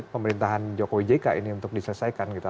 pemerintahan jokowi jk ini untuk diselesaikan gitu